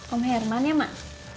om herman ya mak